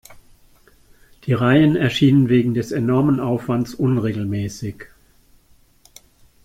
Die Reihen erschienen wegen des enormen Aufwands unregelmäßig.